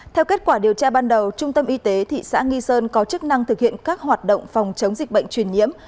theo kết quả điều tra ban đầu trung tâm y tế thị xã nghi sơn có chức năng thực hiện các hoạt động phòng chống dịch bệnh truyền nhiễm